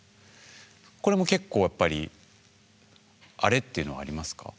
これも結構やっぱりあれ？っていうのはありますか？